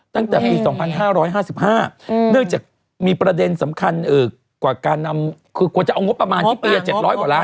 ตั้งแต่ปี๒๕๕๕เนื่องจากมีประเด็นสำคัญกว่าการนำคือควรจะเอางบประมาณที่ปีละ๗๐๐กว่าล้าน